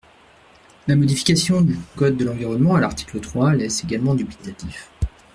La modification du code de l’environnement, à l’article trois, laisse également dubitatif.